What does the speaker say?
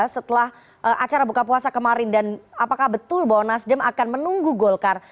setelah acara buka puasa kemarin dan apakah betul bahwa nasdem akan menunggu golkar